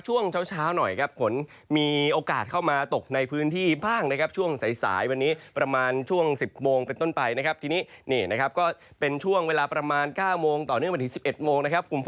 ช่วงเช้าหน่อยครับผลมีโอกาสเข้ามาตกในพื้นที่ภาคนะครับ